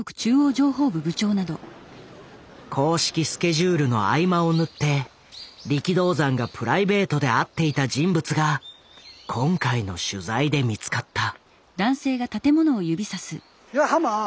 公式スケジュールの合間を縫って力道山がプライベートで会っていた人物が今回の取材で見つかった。